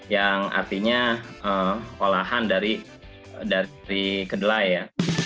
yang artinya olahan dari kedelai ya